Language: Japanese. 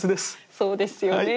そうですよね。